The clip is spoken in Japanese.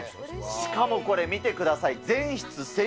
しかもこれ、見てください。